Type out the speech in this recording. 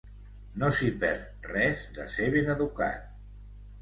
No s'hi perd res de ser ben educat.